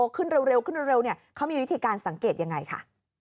ขึ้นเร็วขึ้นเร็วเขามีวิธีการสังเกตยังไงค่ะ